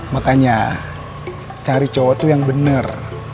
makanya cari cowok tuh yang benar